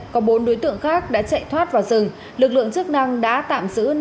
có bốn đối tượng khác đã chạy thoát vào rừng lực lượng chức năng đã tạm giữ